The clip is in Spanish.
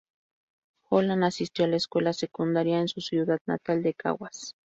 Holland asistió a la escuela secundaria en su ciudad natal de Caguas.